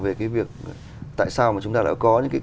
về cái việc tại sao chúng ta đã có